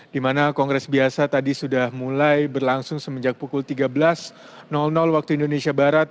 di mana kongres biasa tadi sudah mulai berlangsung semenjak pukul tiga belas waktu indonesia barat